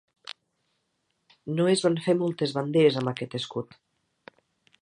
No es van fer moltes banderes amb aquest escut.